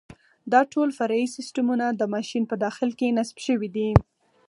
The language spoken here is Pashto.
دا ټول فرعي سیسټمونه د ماشین په داخل کې نصب شوي دي.